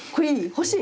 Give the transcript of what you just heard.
欲しい？